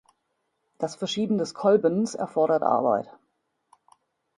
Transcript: Das Verschieben des Kolbens erfordert Arbeit.